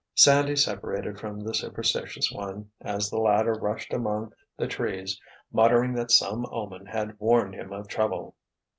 Sandy separated from the superstitious one, as the latter rushed among the trees, muttering that some omen had warned him of trouble.